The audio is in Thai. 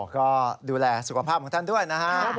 ก็ดูแลสุขภาพของท่านด้วยนะครับ